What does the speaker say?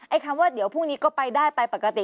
คำว่าเดี๋ยวพรุ่งนี้ก็ไปได้ไปปกติ